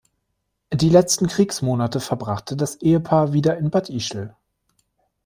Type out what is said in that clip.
Die letzten Kriegsmonate verbrachte das Ehepaar wieder in Bad Ischl.